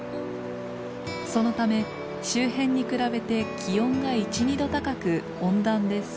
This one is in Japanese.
そのため周辺に比べて気温が１２度高く温暖です。